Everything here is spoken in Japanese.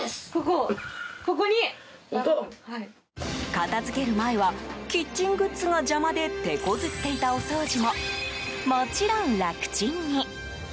片付ける前はキッチングッズが邪魔で手こずっていたお掃除ももちろん楽ちんに。